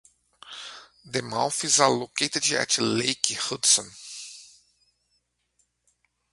The mouth is at located at Lake Hudson.